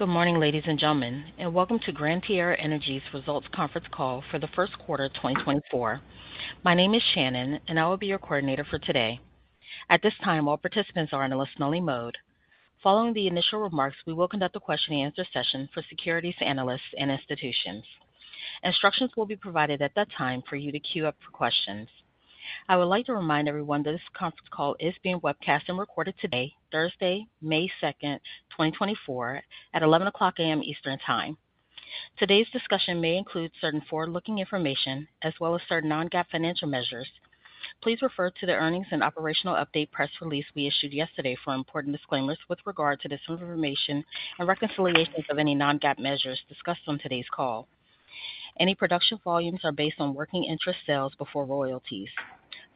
Good morning, ladies and gentlemen, and welcome to Gran Tierra Energy's Results Conference Call for the first quarter of 2024. My name is Shannon, and I will be your coordinator for today. At this time, all participants are in a listen-only mode. Following the initial remarks, we will conduct a question-and-answer session for securities, analysts, and institutions. Instructions will be provided at that time for you to queue up for questions. I would like to remind everyone that this conference call is being webcast and recorded today, Thursday, May 2nd, 2024, at 11:00 A.M. Eastern Time. Today's discussion may include certain forward-looking information as well as certain non-GAAP financial measures. Please refer to the earnings and operational update press release we issued yesterday for important disclaimers with regard to this information and reconciliations of any non-GAAP measures discussed on today's call. Any production volumes are based on working interest sales before royalties.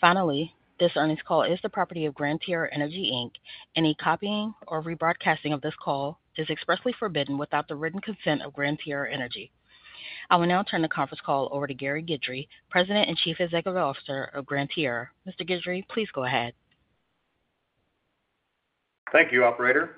Finally, this earnings call is the property of Gran Tierra Energy, Inc. Any copying or rebroadcasting of this call is expressly forbidden without the written consent of Gran Tierra Energy. I will now turn the conference call over to Gary Guidry, President and Chief Executive Officer of Gran Tierra. Mr. Guidry, please go ahead. Thank you, operator.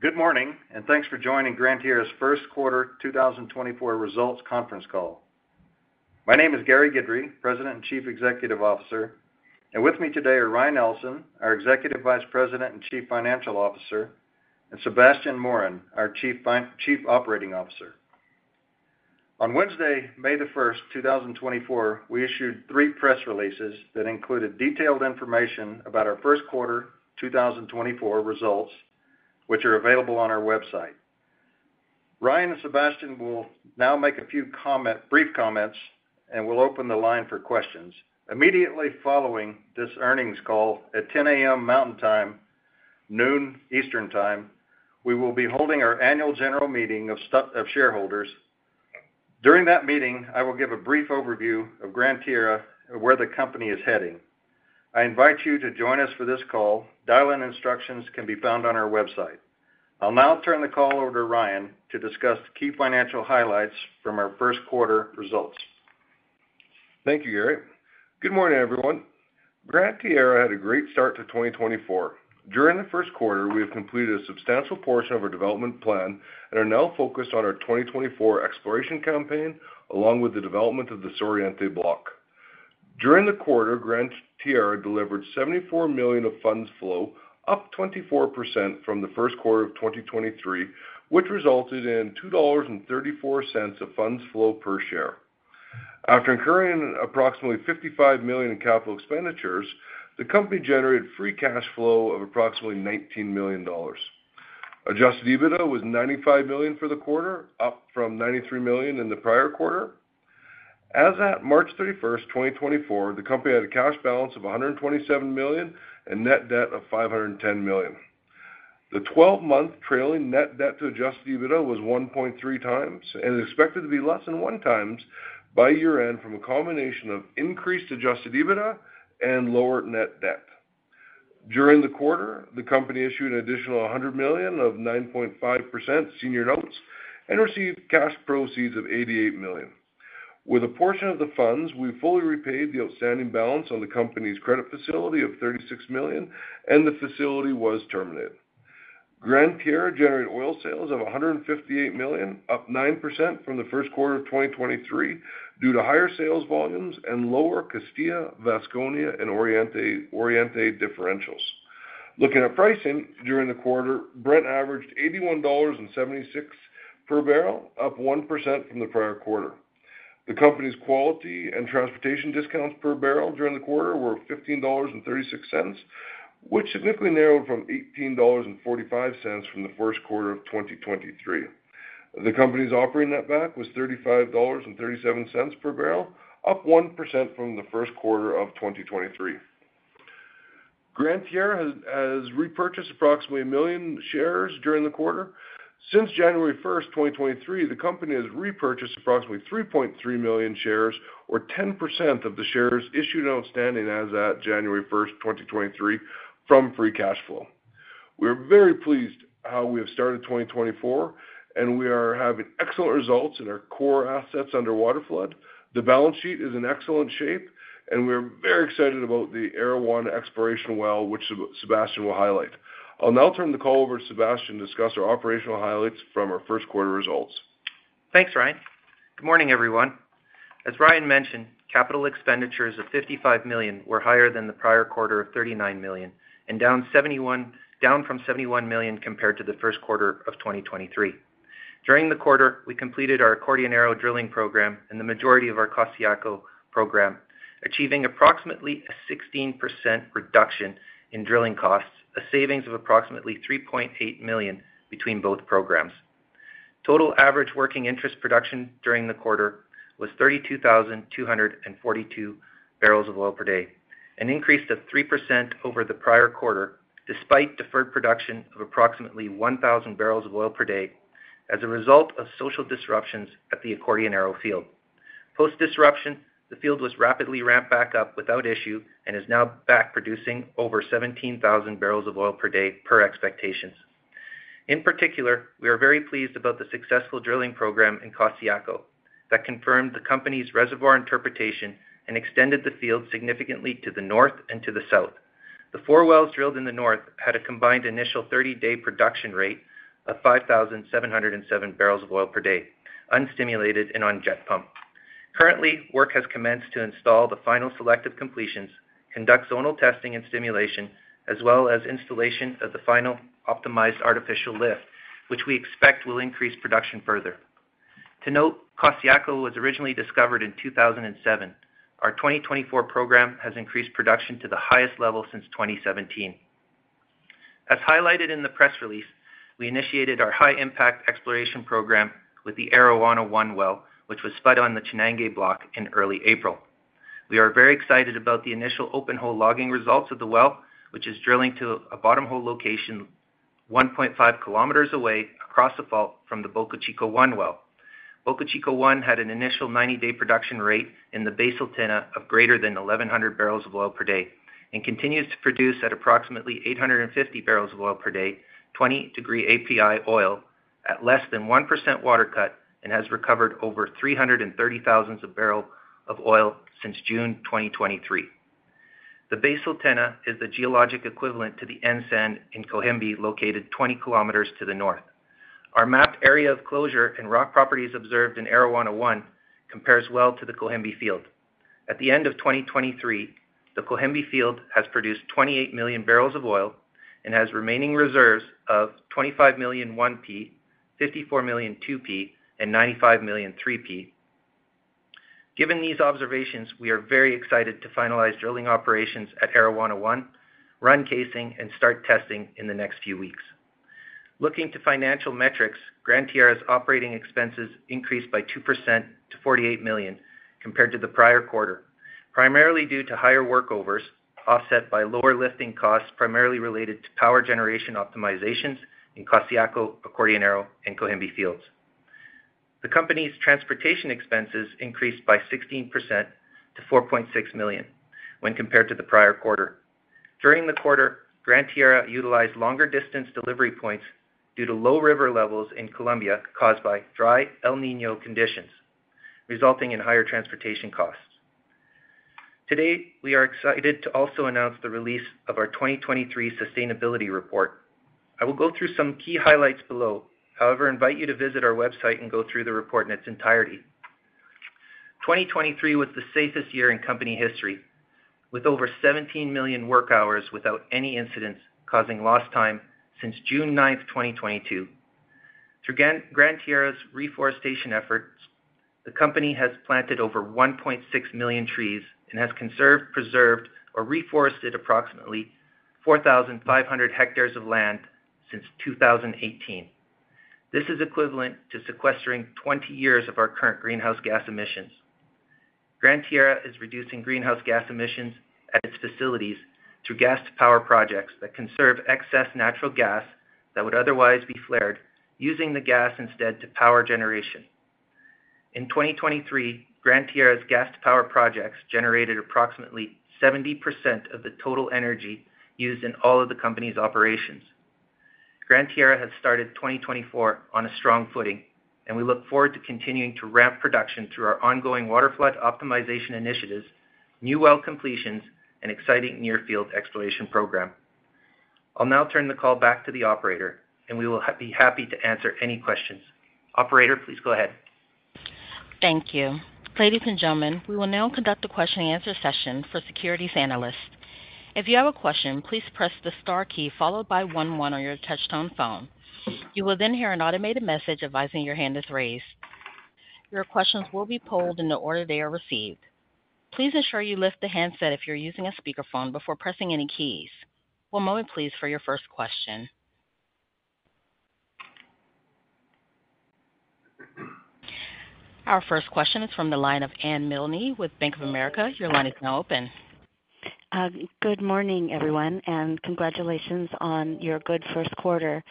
Good morning, and thanks for joining Gran Tierra's first quarter 2024 results conference call. My name is Gary Guidry, President and Chief Executive Officer, and with me today are Ryan Ellson, our Executive Vice President and Chief Financial Officer, and Sébastien Morin, our Chief Operating Officer. On Wednesday, May 1st, 2024, we issued three press releases that included detailed information about our first quarter 2024 results, which are available on our website. Ryan and Sébastien will now make a few brief comments, and we'll open the line for questions. Immediately following this earnings call at 10:00 A.M. Mountain Time, 12:00 P.M. Eastern Time, we will be holding our annual general meeting of shareholders. During that meeting, I will give a brief overview of Gran Tierra and where the company is heading. I invite you to join us for this call. Dial-in instructions can be found on our website. I'll now turn the call over to Ryan to discuss the key financial highlights from our first quarter results. Thank you, Gary. Good morning, everyone. Gran Tierra had a great start to 2024. During the first quarter, we have completed a substantial portion of our development plan and are now focused on our 2024 exploration campaign, along with the development of the Suroriente block. During the quarter, Gran Tierra delivered $74 million of Funds Flow, up 24% from the first quarter of 2023, which resulted in $2.34 of Funds Flow per share. After incurring approximately $55 million in capital expenditures, the company generated Free Cash Flow of approximately $19 million. adjusted EBITDA was $95 million for the quarter, up from $93 million in the prior quarter. As at March 31, 2024, the company had a cash balance of $127 million and Net Debt of $510 million. The 12-month trailing net debt to adjusted EBITDA was 1.3x and is expected to be less than 1x by year-end from a combination of increased adjusted EBITDA and lower net debt. During the quarter, the company issued an additional $100 million of 9.5% senior notes and received cash proceeds of $88 million. With a portion of the funds, we fully repaid the outstanding balance on the company's credit facility of $36 million, and the facility was terminated. Gran Tierra generated oil sales of $158 million, up 9% from the first quarter of 2023 due to higher sales volumes and lower Castilla, Vasconia, and Oriente differentials. Looking at pricing during the quarter, Brent averaged $81.76 per barrel, up 1% from the prior quarter. The company's quality and transportation discounts per barrel during the quarter were $15.36, which significantly narrowed from $18.45 from the first quarter of 2023. The company's operating netback was $35.37 per barrel, up 1% from the first quarter of 2023. Gran Tierra has repurchased approximately 1 million shares during the quarter. Since January 1st, 2023, the company has repurchased approximately 3.3 million shares, or 10% of the shares issued and outstanding as at January 1st, 2023, from free cash flow. We are very pleased how we have started 2024, and we are having excellent results in our core assets under waterflood. The balance sheet is in excellent shape, and we are very excited about the Arawana exploration well, which Sebastien will highlight. I'll now turn the call over to Sébastien to discuss our operational highlights from our first quarter results. Thanks, Ryan. Good morning, everyone. As Ryan mentioned, capital expenditures of $55 million were higher than the prior quarter of $39 million and down $71 million, down from $71 million compared to the first quarter of 2023. During the quarter, we completed our Acordionero drilling program and the majority of our Costayaco program, achieving approximately a 16% reduction in drilling costs, a savings of approximately $3.8 million between both programs. Total average working interest production during the quarter was 32,242 barrels of oil per day, an increase of 3% over the prior quarter, despite deferred production of approximately 1,000 barrels of oil per day as a result of social disruptions at the Acordionero field. Post-disruption, the field was rapidly ramped back up without issue and is now back producing over 17,000 barrels of oil per day per expectations. In particular, we are very pleased about the successful drilling program in Costayaco that confirmed the company's reservoir interpretation and extended the field significantly to the North and to the South. The four wells drilled in the North had a combined initial thirty-day production rate of 5,707 barrels of oil per day, unstimulated and on jet pump. Currently, work has commenced to install the final selective completions, conduct zonal testing and stimulation, as well as installation of the final optimized artificial lift, which we expect will increase production further. To note, Costayaco was originally discovered in 2007. Our 2024 program has increased production to the highest level since 2017. As highlighted in the press release, we initiated our high-impact exploration program with the Arawana-1 well, which was spud on the Chanangue block in early April. We are very excited about the initial open hole logging results of the well, which is drilling to a bottom hole location 1.5 km away, across the fault from the Bocachica-1 well. Bocachica-1 had an initial 90-day production rate in the Basal Tena of greater than 1,100 barrels of oil per day and continues to produce at approximately 850 barrels of oil per day, 20-degree API oil at less than 1% water cut, and has recovered over 330,000 barrels of oil since June 2023. The Basal Tena is the geologic equivalent to the N Sand in Cohembi, located 20 km to the North. Our mapped area of closure and rock properties observed in Arawana-1 compares well to the Cohembi field. At the end of 2023, the Cohembi field has produced 28 million barrels of oil and has remaining reserves of 25 million 1P, 54 million 2P, and 95 million 3P. Given these observations, we are very excited to finalize drilling operations at Arawana-1, run casing, and start testing in the next few weeks. Looking to financial metrics, Gran Tierra's operating expenses increased by 2% to $48 million compared to the prior quarter, primarily due to higher workovers, offset by lower lifting costs, primarily related to power generation optimizations in Costayaco, Acordionero, and Cohembi fields. The company's transportation expenses increased by 16% to $4.6 million when compared to the prior quarter. During the quarter, Gran Tierra utilized longer distance delivery points due to low river levels in Colombia, caused by dry El Niño conditions, resulting in higher transportation costs. Today, we are excited to also announce the release of our 2023 sustainability report. I will go through some key highlights below. However, invite you to visit our website and go through the report in its entirety. 2023 was the safest year in company history, with over 17 million work hours without any incidents causing lost time since June 9th, 2022. Through Gran Tierra's reforestation efforts, the company has planted over 1.6 million trees and has conserved, preserved, or reforested approximately 4,500 hectares of land since 2018. This is equivalent to sequestering 20 years of our current greenhouse gas emissions. Gran Tierra is reducing greenhouse gas emissions at its facilities through gas-to-power projects that conserve excess natural gas that would otherwise be flared, using the gas instead to power generation. In 2023, Gran Tierra's gas-to-power projects generated approximately 70% of the total energy used in all of the company's operations. Gran Tierra has started 2024 on a strong footing, and we look forward to continuing to ramp production through our ongoing waterflood optimization initiatives, new well completions, and exciting near-field exploration program. I'll now turn the call back to the operator, and we will be happy to answer any questions. Operator, please go ahead. Thank you. Ladies and gentlemen, we will now conduct a question and answer session for securities analysts. If you have a question, please press the star key, followed by one one on your touchtone phone. You will then hear an automated message advising that your hand is raised. Your questions will be pulled in the order they are received. Please ensure you lift the handset if you're using a speakerphone before pressing any keys. One moment please, for your first question. Our first question is from the line of Anne Milne with Bank of America. Your line is now open. Good morning, everyone, and congratulations on your good first quarter.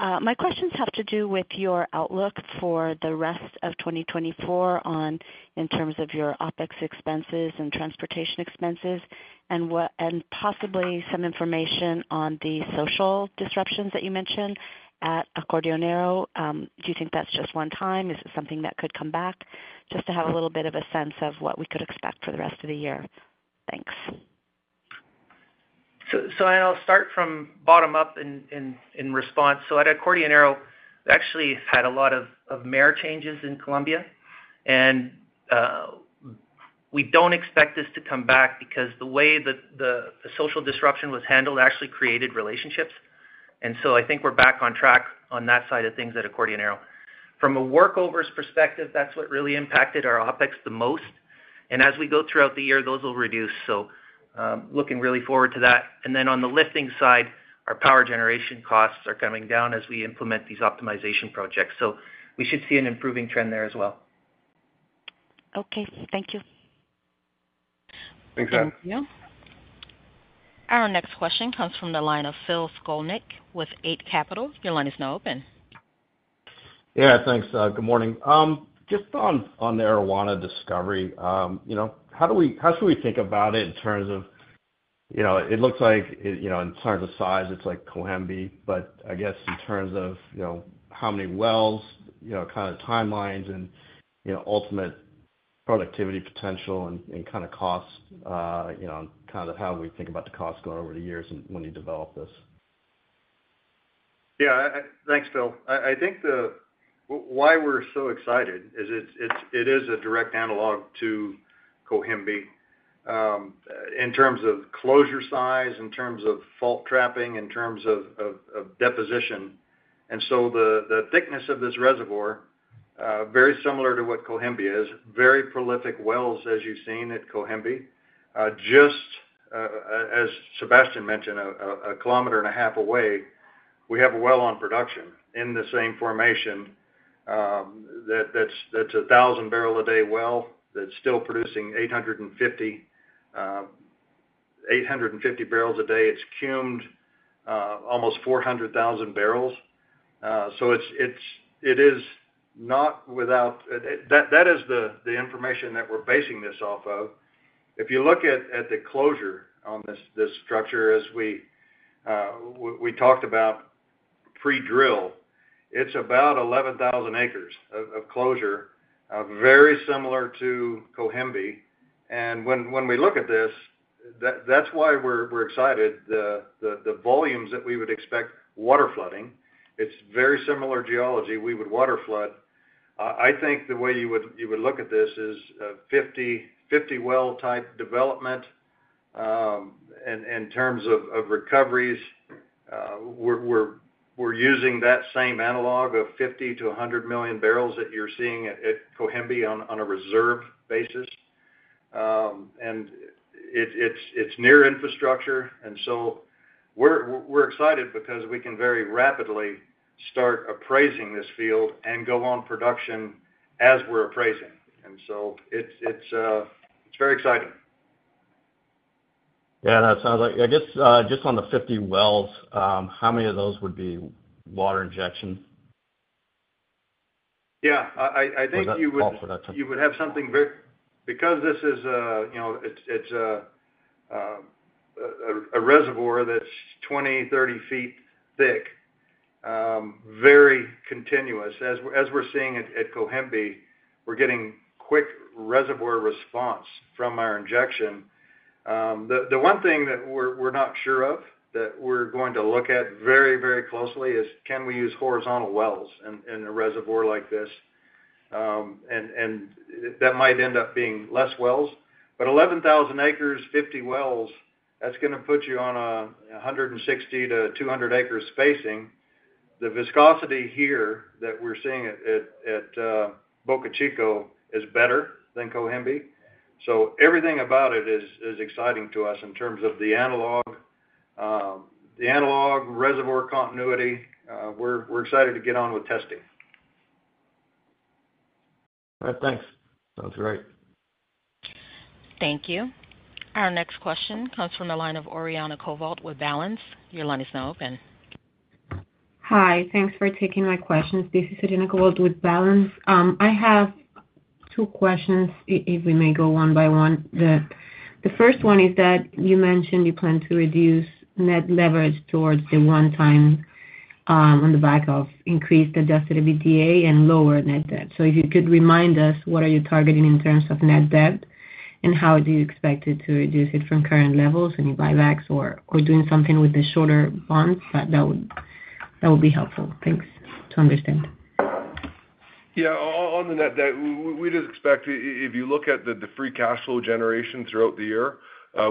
My questions have to do with your outlook for the rest of 2024 in terms of your OpEx expenses and transportation expenses, and possibly some information on the social disruptions that you mentioned at Acordionero. Do you think that's just one time? Is it something that could come back? Just to have a little bit of a sense of what we could expect for the rest of the year. Thanks. So I'll start from bottom up in response. So at Acordionero, we actually had a lot of major changes in Colombia, and we don't expect this to come back because the way that the social disruption was handled actually created relationships. And so I think we're back on track on that side of things at Acordionero. From a workovers perspective, that's what really impacted our OpEx the most, and as we go throughout the year, those will reduce. So looking really forward to that. And then on the lifting side, our power generation costs are coming down as we implement these optimization projects, so we should see an improving trend there as well. Okay. Thank you. Thanks, Anne. Thank you. Our next question comes from the line of Phil Skolnick with Eight Capital. Your line is now open. Yeah, thanks. Good morning. Just on the Arawana discovery, you know, how do we- how should we think about it in terms of, you know, it looks like, you know, in terms of size, it's like Cohembi, but I guess in terms of, you know, how many wells, you know, kind of timelines and, you know, ultimate productivity potential and, and kind of costs, you know, kind of how we think about the costs going over the years when you develop this? Yeah, thanks, Phil. I think why we're so excited is it is a direct analog to Cohembi, in terms of closure size, in terms of fault trapping, in terms of deposition. And so the thickness of this reservoir, very similar to what Cohembi is, very prolific wells, as you've seen at Cohembi. Just as Sebastien mentioned, a kilometer and a half away, we have a well on production in the same formation, that that's a 1,000 barrel a day well, that's still producing 850, 850 barrels a day. It's cummed almost 400,000 barrels. So it's it is not without. That that is the information that we're basing this off of. If you look at the closure on this structure, as we talked about pre-drill, it's about 11,000 acres of closure, very similar to Cohembi. And when we look at this, that's why we're excited. The volumes that we would expect waterflooding, it's very similar geology, we would waterflood. I think the way you would look at this is 50/50 well type development. And in terms of recoveries, we're using that same analog of 50-100 million barrels that you're seeing at Cohembi on a reserve basis. And it's near infrastructure, and so we're excited because we can very rapidly start appraising this field and go on production as we're appraising. And so it's very exciting. Yeah, that sounds like, I guess, just on the 50 wells, how many of those would be water injection? Yeah, I think- Also that- You would have something very—because this is a, you know, it's, it's, a, a reservoir that's 20-30 feet thick, very continuous. As we're seeing at Cohembi, we're getting quick reservoir response from our injection. The one thing that we're not sure of, that we're going to look at very, very closely is, can we use horizontal wells in a reservoir like this? And that might end up being less wells, but 11,000 acres, 50 wells, that's gonna put you on a 160-200 acres spacing. The viscosity here that we're seeing at Bocachica is better than Cohembi. So everything about it is exciting to us in terms of the analog. The analog, reservoir continuity, we're excited to get on with testing. All right, thanks. Sounds great. Thank you. Our next question comes from the line of Oriana Covault with Balanz. Your line is now open. Hi, thanks for taking my questions. This is Oriana Covault with Balanz. I have two questions, if we may go one by one. The first one is that you mentioned you plan to reduce net leverage towards the one time, on the back of increased adjusted EBITDA and lower net debt. So if you could remind us, what are you targeting in terms of net debt, and how do you expect it to reduce it from current levels, any buybacks or doing something with the shorter bonds? That would be helpful. Thanks to understand. Yeah, on the net debt, we just expect, if you look at the free cash flow generation throughout the year,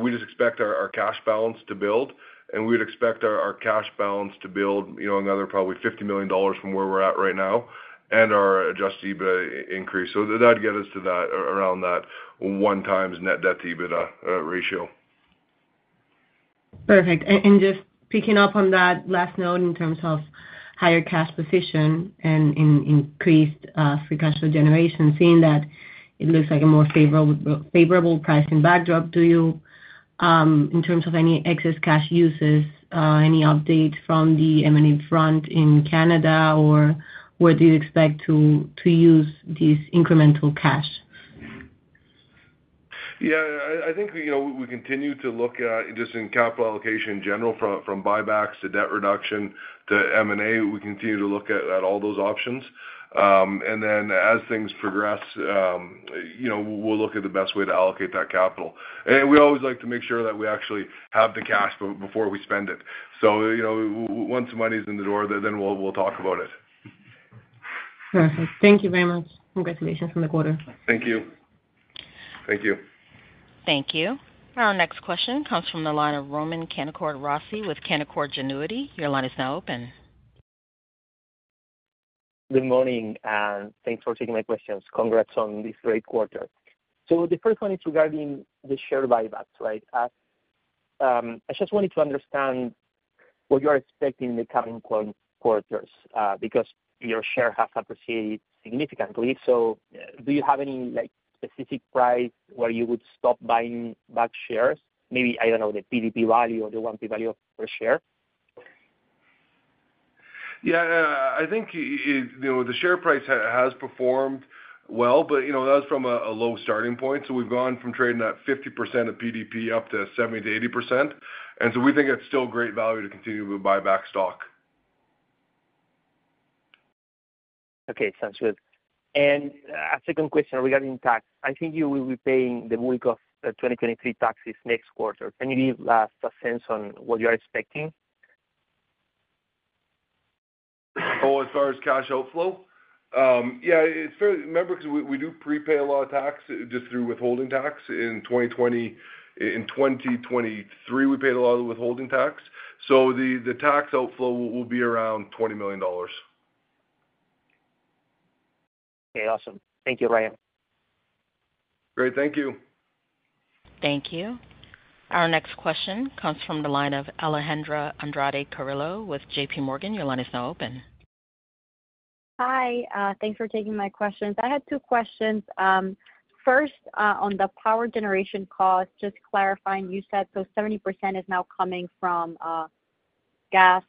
we just expect our cash balance to build, and we'd expect our cash balance to build, you know, another probably $50 million from where we're at right now, and our adjusted EBITDA increase. So that'd get us to that, around that one times net debt-to-EBITDA ratio. Perfect. And just picking up on that last note in terms of higher cash position and increased free cash flow generation, seeing that it looks like a more favorable pricing backdrop to you. In terms of any excess cash uses, any update from the M&A front in Canada, or where do you expect to use this incremental cash? Yeah, I think, you know, we continue to look at just in capital allocation in general, from buybacks to debt reduction to M&A, we continue to look at all those options. And then as things progress, you know, we'll look at the best way to allocate that capital. And we always like to make sure that we actually have the cash before we spend it. So, you know, once the money's in the door, then we'll talk about it. Perfect. Thank you very much. Congratulations on the quarter. Thank you. Thank you. Thank you. Our next question comes from the line of Roman Rossi with Canaccord Genuity. Your line is now open. Good morning, and thanks for taking my questions. Congrats on this great quarter. So the first one is regarding the share buybacks, right? I just wanted to understand what you are expecting in the coming quarters, because your share has appreciated significantly. So do you have any, like, specific price where you would stop buying back shares? Maybe, I don't know, the PDP value or the 1P value per share. I think, you know, the share price has performed well, but, you know, that's from a low starting point. So we've gone from trading at 50% of PDP up to 70%-80%, and so we think it's still great value to continue to buy back stock. Okay, sounds good. A second question regarding tax. I think you will be paying the bulk of the 2023 taxes next quarter. Can you give us a sense on what you are expecting? Oh, as far as cash outflow? Yeah, it's fair—remember, because we do prepay a lot of tax just through withholding tax. In 2023, we paid a lot of the withholding tax, so the tax outflow will be around $20 million. Okay, awesome. Thank you, Ryan. Great. Thank you. Thank you. Our next question comes from the line of Alejandra Andrade Carrillo with JPMorgan. Your line is now open. Hi, thanks for taking my questions. I had two questions. First, on the power generation cost, just clarifying, you said so 70% is now coming from, gas,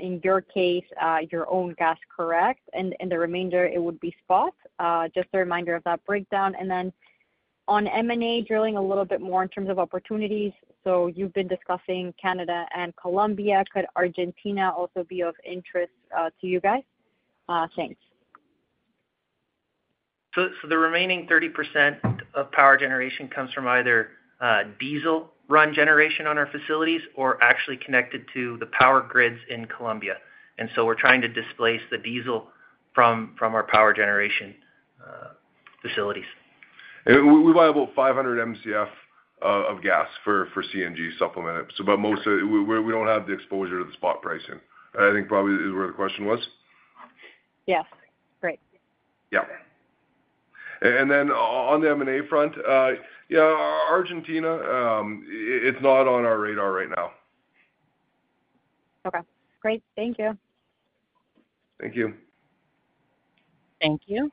in your case, your own gas, correct? And, and the remainder, it would be spot. Just a reminder of that breakdown. And then on M&A, drilling a little bit more in terms of opportunities. So you've been discussing Canada and Colombia. Could Argentina also be of interest, to you guys? Thanks. So the remaining 30% of power generation comes from either diesel run generation on our facilities or actually connected to the power grids in Colombia. We're trying to displace the diesel from our power generation facilities. We buy about 500 MCF of gas for CNG supplement it. So but most of it, we don't have the exposure to the spot pricing. I think probably is where the question was. Yes. Great. Yeah. And then on the M&A front, yeah, Argentina, it's not on our radar right now. Okay, great. Thank you. Thank you. Thank you.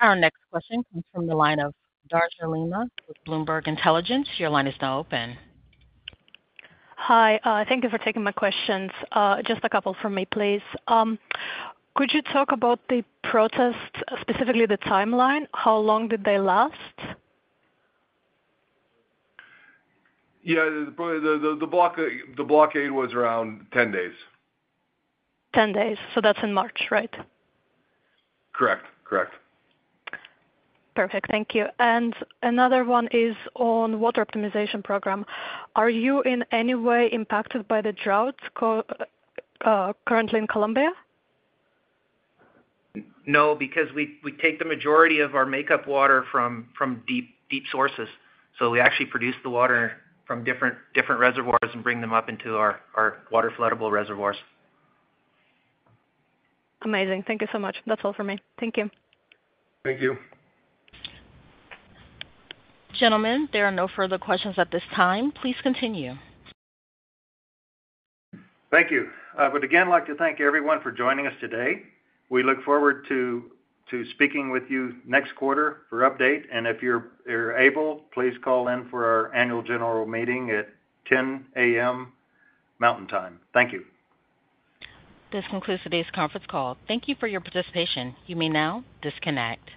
Our next question comes from the line of Daria Lima with Bloomberg Intelligence. Your line is now open. Hi, thank you for taking my questions. Just a couple from me, please. Could you talk about the protests, specifically the timeline? How long did they last? Yeah, the blockade was around 10 days. 10 days. So that's in March, right? Correct. Correct. Perfect. Thank you. And another one is on water optimization program. Are you in any way impacted by the droughts currently in Colombia? No, because we take the majority of our makeup water from deep sources. So we actually produce the water from different reservoirs and bring them up into our waterfloodable reservoirs. Amazing. Thank you so much. That's all for me. Thank you. Thank you. Gentlemen, there are no further questions at this time. Please continue. Thank you. I would again like to thank everyone for joining us today. We look forward to speaking with you next quarter for update, and if you're able, please call in for our Annual General Meeting at 10:00 A.M. Mountain Time. Thank you. This concludes today's conference call. Thank you for your participation. You may now disconnect.